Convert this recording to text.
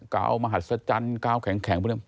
กาวมหัศจรรย์กาวแข็งทั้งหมด